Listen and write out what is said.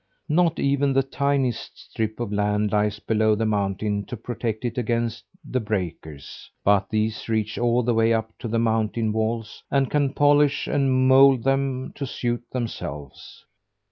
Not even the tiniest strip of land lies below the mountain to protect it against the breakers; but these reach all the way up to the mountain walls, and can polish and mould them to suit themselves.